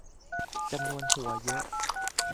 จำนวนหัวเยอะ